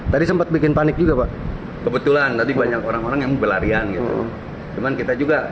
tadi sempat bikin panik juga pak kebetulan tadi banyak orang orang yang berlarian gitu cuman kita juga